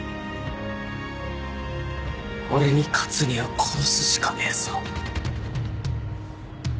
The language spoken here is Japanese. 俺に勝つには殺すしかねえぞ。